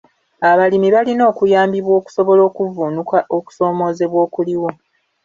Abalimi balina okuyambibwa okusobola okuvvuunuka okusoomoozebwa okuliwo.